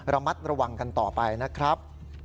ระมัดระวังกันต่อไปนะครับ